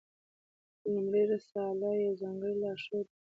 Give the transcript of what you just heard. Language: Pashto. لومړۍ رساله یو ځانګړی لارښود دی.